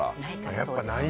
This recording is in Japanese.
やっぱないんや。